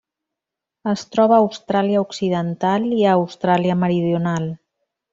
Es troba a Austràlia Occidental i a Austràlia Meridional.